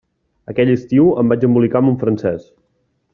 Aquell estiu em vaig embolicar amb un francès.